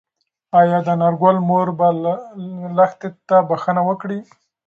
ايا د انارګل مور به لښتې ته بښنه وکړي؟